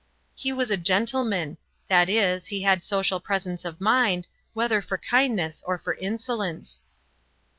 He was a gentleman; that is, he had social presence of mind, whether for kindness or for insolence.